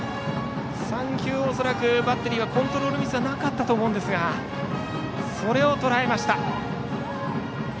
３球、恐らくバッテリーはコントロールミスはなかったと思いますがそれをとらえました。